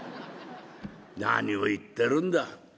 「何を言ってるんだ。